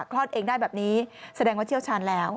คลอดเองได้แบบนี้แสดงว่าเชี่ยวชาญแล้ว